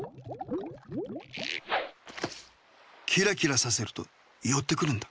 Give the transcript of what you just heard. キラキラさせるとよってくるんだ。